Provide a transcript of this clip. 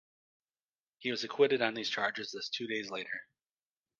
He was acquitted on these charges just two days later.